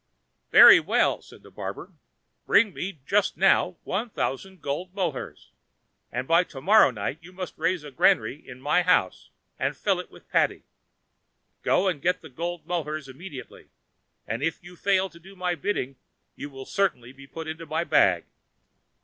"Very well," said the barber, "bring me just now one thousand gold mohurs; and by to morrow night you must raise a granary in my house, and fill it with paddy. Go and get the gold mohurs immediately: and if you fail to do my bidding you will certainly be put into my bag."